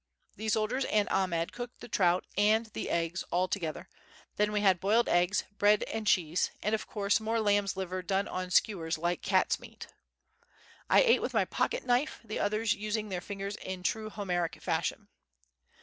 The soldiers and Ahmed cooked the trout and the eggs all together; then we had boiled eggs, bread and cheese and, of course, more lamb's liver done on skewers like cats' meat. I ate with my pocket knife, the others using their fingers in true Homeric fashion.